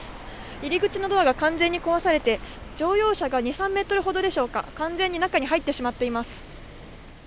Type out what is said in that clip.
入り口のドアが完全に壊されて、乗用車が２、３メートルほどでしょうか、完全に中に入ってしまっています。